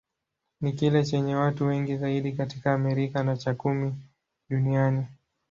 Ni kile chenye watu wengi zaidi katika Amerika, na cha kumi duniani.